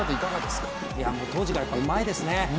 当時からうまいですね。